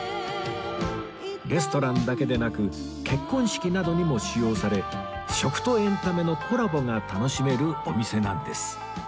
レストランだけでなく結婚式などにも使用され食とエンタメのコラボが楽しめるお店なんです